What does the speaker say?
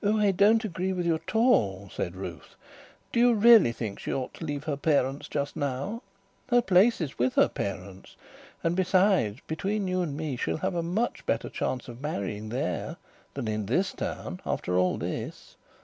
"Oh, I don't agree with you at all," said Ruth. "Do you really think she ought to leave her parents just now? Her place is with her parents. And besides, between you and me, she'll have a much better chance of marrying there than in this town after all this.